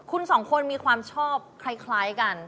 คุณสองคนมีความชอบคล้ายกัน